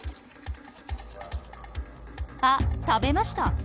あっ食べました！